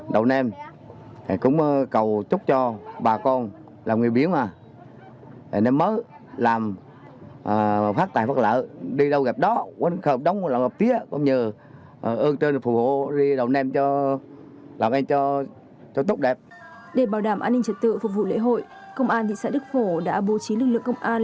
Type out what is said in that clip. để bảo đảm an ninh trật tự phục vụ lễ hội công an thị xã đức phổ đã bố trí lực lượng công an